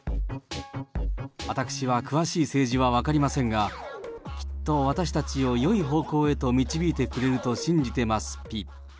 あたくしは詳しい政治は分かりませんが、きっと私たちをよい方向へと導いてくれると信じてます、ピ。